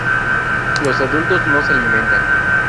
Los adultos no se alimentan.